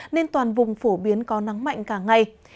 nên toàn vùng phổ biến có nắng mạnh cả ngày